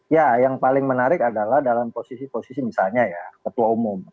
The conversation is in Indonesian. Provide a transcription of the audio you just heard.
ya yang paling menarik adalah dalam posisi posisi misalnya ya ketua umum